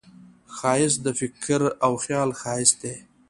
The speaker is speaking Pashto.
ښایست د فکر او خیال ښایست دی